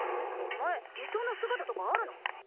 お前理想の姿とかあるの？